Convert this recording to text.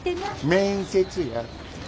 面接や。